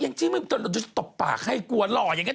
อย่างนี้เราตบปากให้อ่ะกลัวหลออย่างนี้